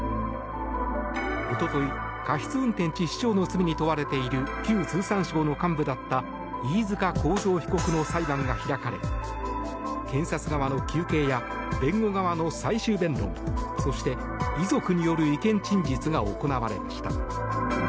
一昨日、過失運転致死傷の罪に問われている旧通産省の幹部だった飯塚幸三被告の裁判が開かれ検察側の求刑や弁護側の最終弁論そして遺族による意見陳述が行われました。